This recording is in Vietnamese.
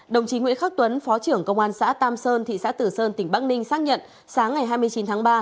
đồng chí nguyễn khắc tuấn phó trưởng công an xã tam sơn thị xã tử sơn tỉnh bắc ninh xác nhận sáng ngày hai mươi chín tháng ba